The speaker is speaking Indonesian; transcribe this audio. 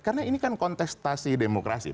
karena ini kan kontestasi demokrasi